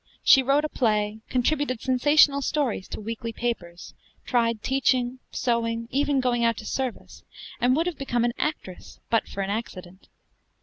She wrote a play, contributed sensational stories to weekly papers, tried teaching, sewing, even going out to service, and would have become an actress but for an accident.